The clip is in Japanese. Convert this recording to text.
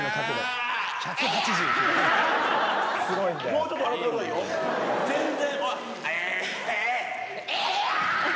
もうちょっと笑ってくださいよ全然えええいやー！